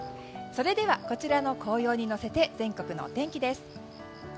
それでは、こちらの紅葉に乗せて全国のお天気です。